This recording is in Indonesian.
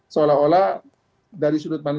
seolah olah dari sudut pandang